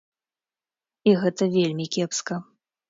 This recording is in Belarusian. І гэта вельмі кепска.